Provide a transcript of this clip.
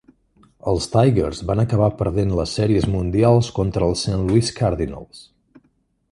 Els Tigers van acabar perdent les Sèries Mundials contra els Saint Louis Cardinals.